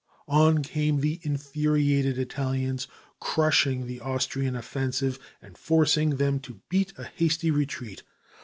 On came the infuriated Italians, crushing the Austrian offensive and forcing them to beat a hasty retreat.